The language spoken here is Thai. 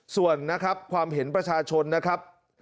ส่วนนะครับความเห็นประชาชนนะครับ